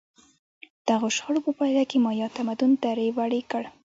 دغو شخړو په پایله کې مایا تمدن دړې وړې کړ.